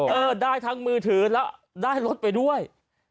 เออได้ทั้งมือถือแล้วได้รถไปด้วย